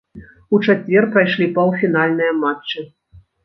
У чацвер прайшлі паўфінальныя матчы.